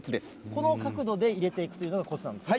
この角度で入れていくというのがこつなんですね。